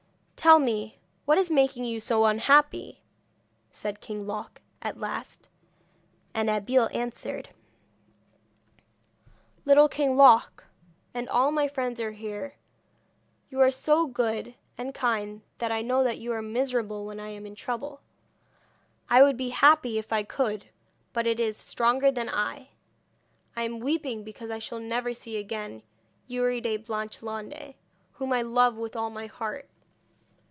'Tell me what is making you so unhappy?' said King Loc, at last. And Abeille answered: [Illustration: KING LOC CARRIES ABEILLE AWAY FROM HER MOTHER] 'Little King Loc, and all my friends here, you are so good and kind that I know that you are miserable when I am in trouble. I would be happy if I could, but it is stronger than I. I am weeping because I shall never see again Youri de Blanchelande, whom I love with all my heart.